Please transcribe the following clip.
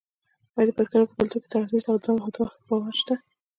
آیا د پښتنو په کلتور کې د تعویذ او دم دعا باور نشته؟